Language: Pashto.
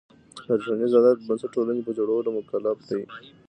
د ټولنیز عدالت پر بنسټ ټولنې په جوړولو مکلف دی.